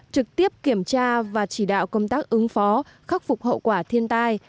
trực tiếp kiểm tra và chỉ đạo công tác ứng phó khắc phục hậu quả thiên tai